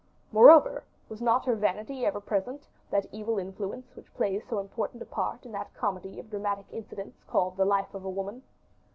Moreover, was not her vanity ever present, that evil influence which plays so important a part in that comedy of dramatic incidents called the life of a woman?